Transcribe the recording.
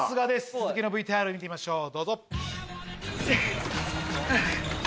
続きのＶＴＲ見てみましょう。